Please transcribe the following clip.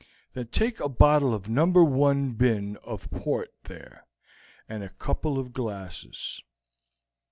"Then take a bottle of number one bin of port there and a couple of glasses."